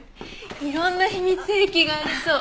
いろんな秘密兵器がありそう。